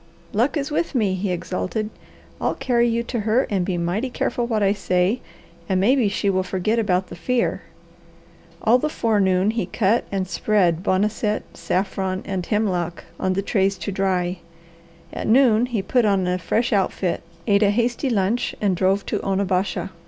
"Luck is with me!" he exulted. "I'll carry you to her and be mighty careful what I say, and maybe she will forget about the fear." All the forenoon he cut and spread boneset, saffron, and hemlock on the trays to dry. At noon he put on a fresh outfit, ate a hasty lunch, and drove to Onabasha.